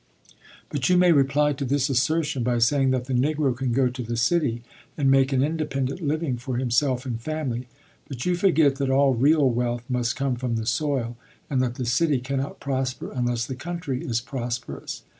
But you may reply to this assertion by saying that the Negro can go to the city and make an independent living for himself and family, but you forget that all real wealth must come from the soil and that the city cannot prosper unless the country is prosperous.